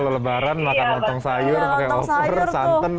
kalau lebaran makan lontong sayur pakai over santan